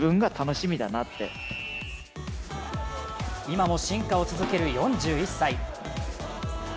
今も進化を続ける４１歳。